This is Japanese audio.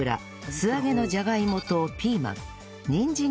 素揚げのじゃがいもとピーマンにんじん